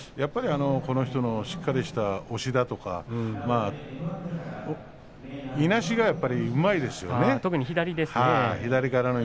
この人のしっかりとした押しだとか、いなしが特に左ですね。